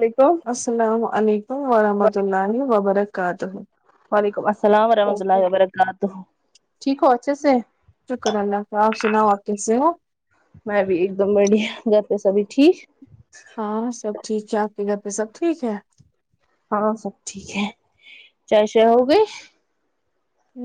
وعلیکم السلام علیکم ورحمۃ اللہ وبرکاتہ وعلیکم السلام ورحمۃ اللہ وبرکاتہ ٹھیک اچ سے شکر اللہفظ آپ سناؤ آپ کیس ہیں میں بھی ایک دم بڑیا گھر پہ سبھی ٹھیک ہاں سب ٹھیک چ آ کے گ سب ٹھیک ہے ہاں سب ٹھیک ہے چائے چے ہو گی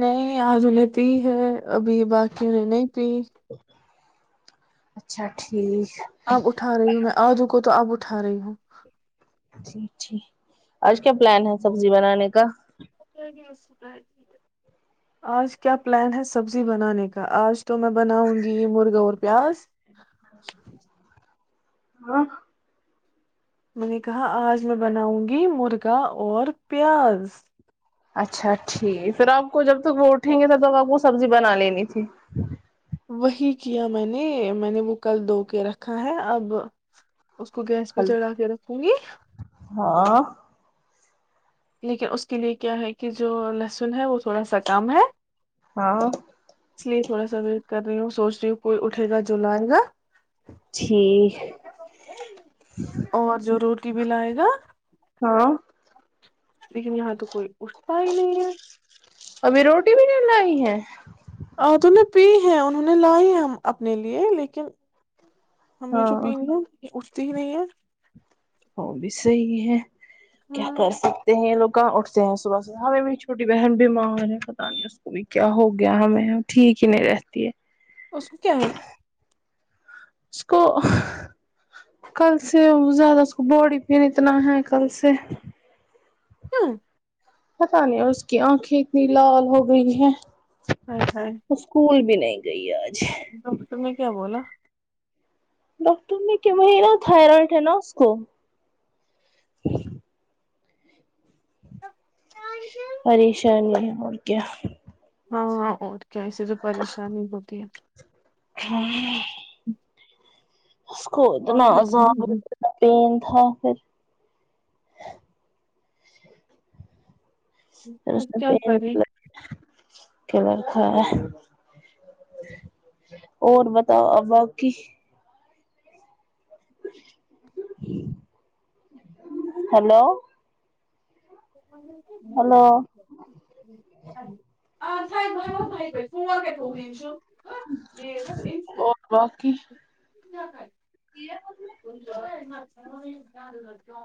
نہیں آدنی تو ہی ہے ابھی باقی نہیں ت اچھا ٹھیک آپ اٹھا رہی ہوں میں آجکو تو آپ اٹھا اٹھا رہی ہوں جی ج آج کیا پلان ہے سبزی بنانے کا آج کیا پلان ہے سبزی بنانے کا آج تو میں بناؤں گی یہ مرغا اور پیاز ہاں میں نے کہا آج میں بناؤں گی مرغا اور پیاز اچھا ٹھیک پھر آپ کو جب تک وہ اٹھیں گے تب تک آپ کو سبزی بنا لینی تھی وہی کیا میں نے میں نے وہ کل د کے رکھا ہے اب اس کو گیس پہ کل چڑھا کے رکھوں گی ہاں لیکن اس کے لیے کیا ہے کہ جو لہسن ہے وہ تھوڑا سا کم ہے ہاں اس لیے تھوڑا سا ویٹ کر رہی ہوں سوچ رہی ہوں کوئی اٹھے گا جو لائے گا ٹھیک اور جو روٹی بھی لائے گا ہاں لیکن یہاں تو کوئی اشائی لین ابھی روٹی بھی نہیں ہے آ تو نے پی ہیں انہوں نے لائی ہیں ہم اپنے لیے لیکن ہمیں جو ہاں پینی ہے یہ اٹھتی ہی نہیں ہے وہ بھی صحی ہے کیا کر ہاں سکتے ہیں لوگ کہاں اٹھتے ہیں صبح سے ہمیں میری چھوٹی بہن بیمار ہے پتا نہیں اس کو بھی کیا ہو گیا ہمیں ٹھیک ہی نہیں رہتی ہے اس کو کیا ہے اس کو کل سے زیادہ اس کو باڈی پین اتنا ہے کل سے ہ پتا نہیں اس کی آنکھیں اتنی لال ہو گئی ہیں وہ اسکول بھی نہیںائ گئی ہے تو میں کیا بولا ڈاکٹر نے کیا میرا تھائیرائڈ ہے نا اس کو پریشان نہیں اور کیا ہاں ہاں اور کی ایسے تو پریشانی ہوتی ہے ہ اس کو اتنا اور ز پین تھا پھر اب س کیا س کریں کیا لر تھاا ہے اور بتاؤ ا باقی ہلو س بھائی م بھائی پ ف مک پک اور باقی د ہد ل کیا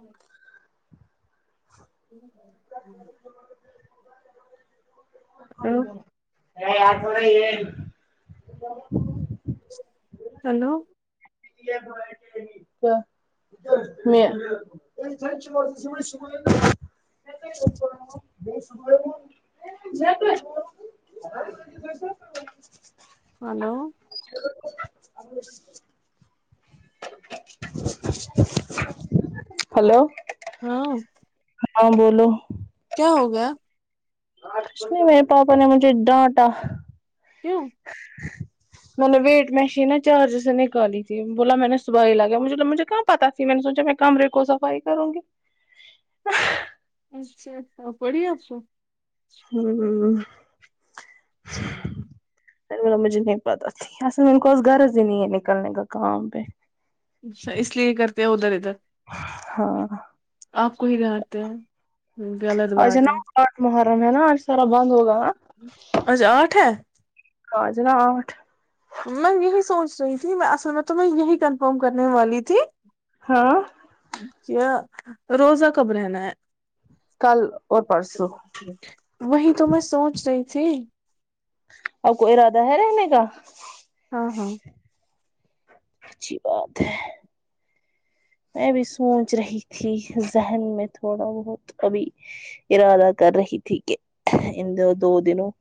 ہ ہ ہ ا آٹوڑے یہ ہیلو ےب ہلو گھ ہلو ہاں ہاں بولو کیا ہوگیا نہیں میرے پاپا نے مجھے ڈانٹا کیوں میں نے ویٹ مشین ہے چارج سے نکالی تھی بولا میں نے صبحائی لاگیا مجھے مجھے کہاں پہ تھی میں نے سوچا میں کمرے کو صفائی کروں گی اچھا اچھا پڑی آپسو ہوں ہ ای مجھے نہیں پتہ م کوس رض ہی نہیں ہے نکلنے کا کام پہ اچھا اس لیے کرتے ہیں ادھر ادھر ہاں آپ کو ہی ڈانٹتے ہیں غلط آج بات نا ہے آٹھ محرم ہے نا سارا بند ہوگا نا اچھا آٹھ ہے آ جناا آٹھ میں یہی سوچ رہی تھی میں اصل میں تو میں یہی کنفرم کرنے والی تھی ہاں کیا روزہ کب رہنا ہے کل اور پرسوں وہی تو میں سوچ رہی جی اور کوئی ارادہ ہے رہنے کا ہاں ہاں اچھی بات ہے میں بھی سوچ رہی تھی ذہن میں تھوڑا بہت ابھی ارادہ کر رہی تھی کہ ان د دو دنوں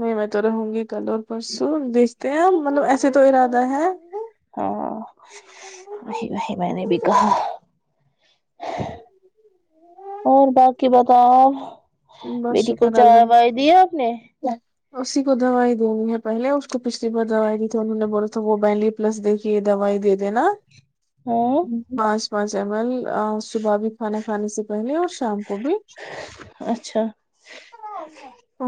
نہیں میں تو رہوں گی کدر پرسو دچتےم مطلب ایسے تو ارادہ ہے ہاں وہی وہی میں نے بھی کہا بھر کی اوج عا رہی ہے ہ [inaudible] اور باقی بتاؤ بیٹی کو چائے وائے دی آپ نے ج [inaudible] اسی کو دوائی دینی ہے پہلے اس کو پچھلی بار دوائی دی تھی انہوں نے بولا تھا وہ بلی پلس دے کے یہ دوائی دے دینا ہاں بس مج مل صبح بھی کھانا کھانے سے پہلے اور شام کو بھی اچھا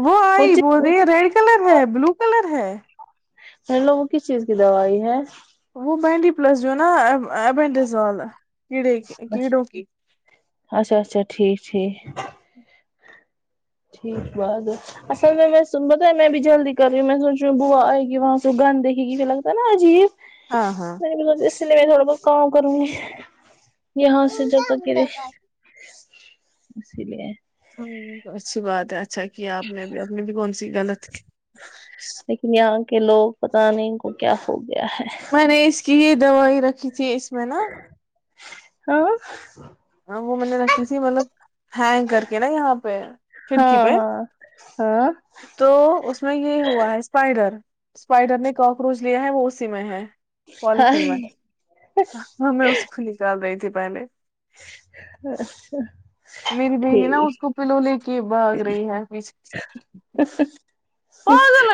وہ آئی کچھ بول رہی ہے ریڈ کلر ہے بلو کلر ہے [inaudible] پ لوگوں کس چیز کی دوائی ہے وہ بینڈی پلس جو نا ای بینڈیزال اچھا اچھا ٹھیک ٹھیک [unintelligible] ٹھیک بات ہے اصل میں میں ب میں بھی جلدی کر رہی ہوں میں سوچ رہوں ب آئے گی وہاں سو گند دیکھیے گیھ لگتا ہے نا عجیب ہاں ہاں [unintelligible] نہیں مج [unintelligible] اس لیے میں تھوڑا بہت کام کروں گی ی [unintelligible] ہ ہاں س جت کی رے ہ اس [unintelligible] ہاں اچھی بات ہے ا [unintelligible] اچھا کیا آپ نے بھی اپ نے بھی کون سی [unintelligible] غلط [unintelligible] لیکن یہاں [unintelligible] کہ لوگ پت نہیں ان کو کیا ہوگا [unintelligible] د ہے میں نے اس [unintelligible] کی دوائی رکھی ت [unintelligible] جی اس میں نا [unintelligible] ہاں [unintelligible] ہاں وہ میں نے رکھی تھی مطلب ہینگ کر کے نا یہاں پہ کھڑکی ہاں پہ ہاں ہاں تو اس میں یہ ہوا ہے اسپائڈر اسپائڈر نے کاکروچ ل ہے وہ اسی میں ہے [unintelligible] ہاں پالتن ماں میں اسی کو نکال رہی تھی [unintelligible] پ نے [unintelligible] میری بہن نا اس ٹھیک کو پلو لے کے بھاگ رہی ہے پ [unintelligible] ہ [unintelligible]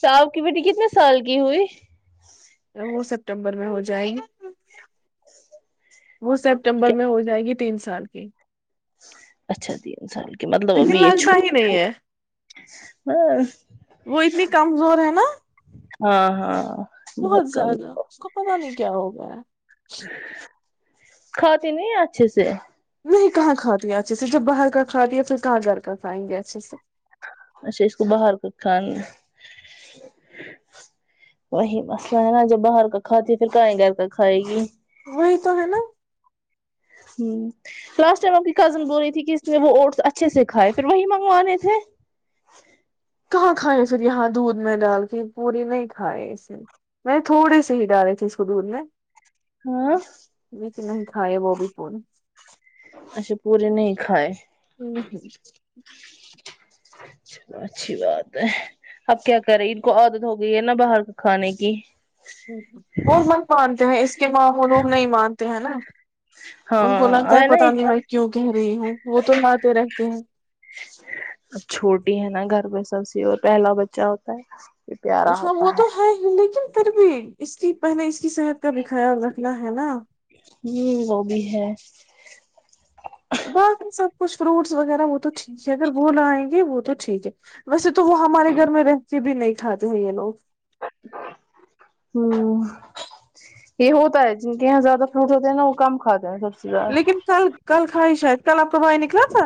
تو آپ کی بیٹی کتنے سال کی ہوئی [unintelligible] وہ سیپٹمبر میں ہو جائے جائے گ [unintelligible] وہ سپٹمبر میں ہو جائے گی تین سال کی [unintelligible] اچھا تین سال کے مطلب لیکن ابھی یہ لگتا چھوڑ ہی نہیں ہے ہاں [unintelligible] وہ اتنی کمزور ہے نا ہاں ہاں بہت زیادہ اس کو پتا نہیں کیا ہوگا ہے [unintelligible] کھاتی نہیں اچھے سے نہیں کہاں کھاتییا اچھے سے جب باہر کا کھاتییا پھر کہاں گھر کا کھائیں گے اچھے سے اچھا اس کو باہر کا کھانا وہی مسئلہ ہے نا جب باہر کا کھاتی ہے پھر کہیں گھر کا کھائے گی وہی تو ہے نا ہ لاسٹ ٹائم آ کی کزن بول رہی تھی کہ اس نے وہ او اچھے سے کھائے پھر وہی منگوانے تھے کہاں کھائے پھر یہاں دودھ میں ڈال کے پوری نہیں کھائے اسے میں نے تھوڑے سے ہی ڈالے تھے اس کو دودھ میں ہاں ب نہیں کھاائے وہ بھی پول کائے ہوں ہ اچھی بات ہے اب کیا کرے ان کو عادت ہو گئی ہے نا باہر کا کھانے کی وہ مت مانتے ہیں اس کے ماں وہ لوگ نہیں مانتے ہیں نا ہاں ان کو لگتا اب ہے نا پت نہیں بھائی کیوں کہ رہی ہوں وہ تو ہاتھ رہتی ہوں اب چھوٹی ہے نا گھر پہ سب سے اور پہلا بچہ ہوتا ہے پیارا ہاں وہ ہوتا تو ہے ہی لیکن بھی اس کی پہلے اس اس کی صحت کا بھی خیال رکھنا ہے نا ہوں وہ بھی ہے باقی سب کچھ فروٹس وغیرہ وہ تو ٹھیک ہے اگر وہ لائیں گے وہ تو ٹھیک ہے ویسے تو وہ ہمارے گھر میں رہے ک بھی نہیں کھاتے ہیں یہ لوگ ہ یہ ہوتا ہے جن کے یہاں زیادہ فروٹ ہوتے ہیں نا وہ کم کھاتا ہے سب سے زیادہ لیکن کل کل کھائی شاید کل آپ کا بائی نکلا تھا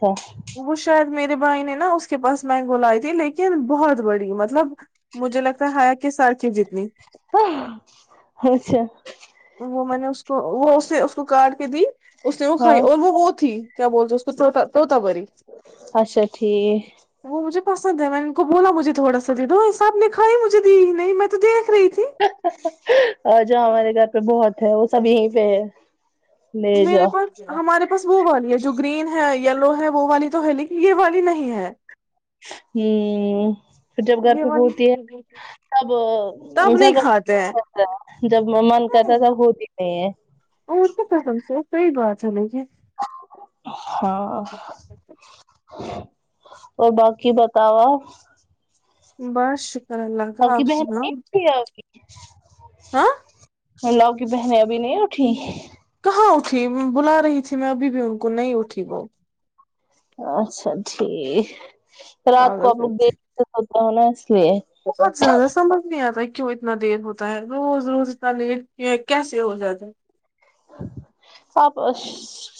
چا وہ شاید میرے بھائی نے نا اس کے پاس مینگو لائی تھی لیکن بہت بڑی مطلب مجھے لگتا ہے ہایا کہ سڑکیں جتنی ہ اچھا وہ میں نے اس کو وہ اسے اس کو کاٹ کے دی اس نے وہ ہاں کھائی اور وہ وہ تھی کیا بول اس تو اچھا ٹھیک وہ مجھے پسند ہے میں نے ان کو بولا مجھے تھوڑا د دوو ایساحب نے کھائی مجھے دی نہیں میں تو دے آ جا ہمارے گھر بہت ہے وہ سب یہیں پہ ہے لے میرے جاؤ پاس ہمارےا بس وہوالی ہے ج گرین ہے یلو ہے وہ والی تو ہے لیکن یہ والی نہیں ہے ہوں پھر جب گھر یہ پہ والی ہوتی ہے تب ان تب نہیں سب کھاتے کا ہیں کرتا ہے جب من کرتا ہے تب ہوتی نہیں ہے چلے گیے ہاں اور باقی بتاؤ آ بس اللہ ا کی بہن ایک ت اچ ہ لاو کی بہنیں ابھی نہیں اٹھی ہ اٹھی بلا رہی تھی میں ابھی بھی ان کو نہیں اٹھی وہ اچھا ٹھیک رات کو آپ لوگ پاگل دیکھتے ان زیادہ سمبھ نہیں آتا کیوں اتنا دیر ہوتا ہے روز روز اتنا لیٹ کیسے ہو جاتا ہے آپ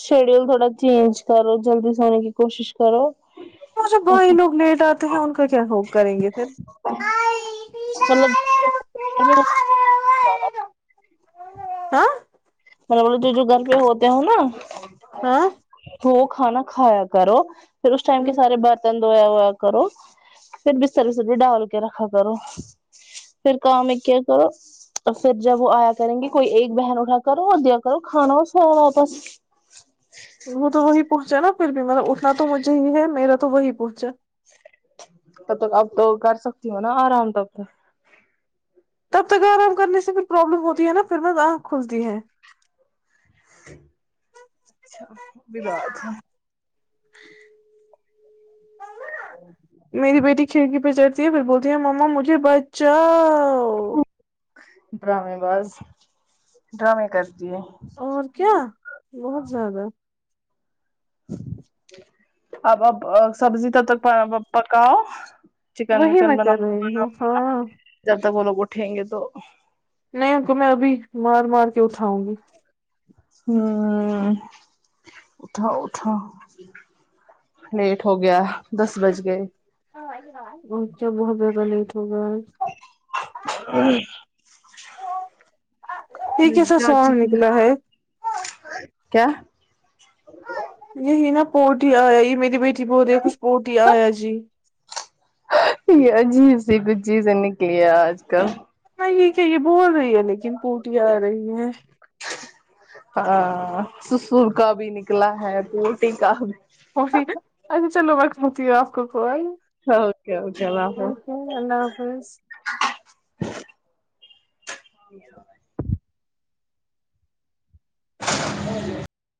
شیڈیول تھوڑا چینج کرو جلدی سونے کی کوشش کرو م سے بائی ایسا لوگ لیٹ آتے ہیں ان کا کیا ہوپ کریں گے پھر مطلب ہاں مطل بولے جو گھر پہ ہوتے ہو نا ہاں وہو کھانا کھایا کرو پھر اس ٹم کے سار برتن ویا وویا کرو پھر بستر وستری ڈال کے رکھا کرو پھر کام ہے کیا کرو اور پھر جب وہ آیا کریں گے کوئی ایک بہن اٹھا کرو آ دیا کرو کھان وہ سواد واپس وہ تو وہی پہنچا نا پھر بھی مطب اٹھنا تو مجھے ہی ہے میرا تو وہی پہنچا تب تک اب تو کر سکتی ہ ہووں نا آرام تب تک تب تک آرام کرنے سے پھر پرابلم ہوتی ہے نا پھر میں آنکھ کھلتی ہے اچھا وہب بھی بات ہے ا میری بیٹی کھڑکی پہ چڑھتی ہے پھر بولتی ہیں ما مجھے بچا ڈرامے باز ڈرامے کرتے اور کیا بہت زیادہ اب اب سبزی ت تک پ پکاؤ [inaudible] وہی میں وکن کر بناؤ رہی ہوں ہاں جب تک وہ لوگ اٹھیں گے تو نہیں ان کو میں ابھی مار مار کے اٹھاؤں گی ہ اٹھا اٹا لیٹ ہو گیا دس بج گئے گچب ہو بی کل تھ گس ہے م یہ کیسا جاچ پ سونگ نکلا ہے کیا یہی نا پورٹی آیا ہی میری بیٹی بہت کچھ پورٹی آیا جی یہ عجیب سی کچھ چیزیں نکلی ہے آج کل کہ یہ بول رہے ہیں لیکن پوٹیاں آ رہی ہیں ہاں سسر کا بھی نکلا ہے کوٹی کا ہا چلو بقم ہوتی ہے آپ کو کوئین اوکے اوکے اللہ حافظ اللہ حافظ ج [inaudible]